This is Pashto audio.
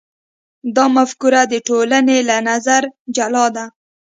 دا مفکوره د ټولنې له نظره جلا ده.